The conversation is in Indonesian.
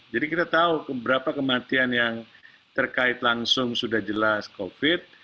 jadi kita tahu beberapa kematian yang terkait langsung sudah jelas covid sembilan belas